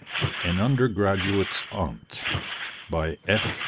AN UNDERGRADUATE'S AUNT By F.